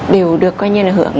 đều được coi như là hưởng